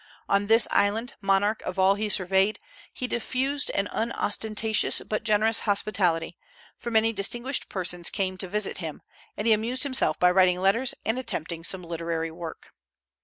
On this island, monarch of all he surveyed, he diffused an unostentatious but generous hospitality; for many distinguished persons came to visit him, and he amused himself by writing letters and attempting some literary work.